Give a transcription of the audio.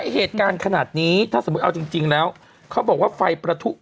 เหตุการณ์ขนาดนี้ถ้าสมมุติเอาจริงแล้วเขาบอกว่าไฟประทุ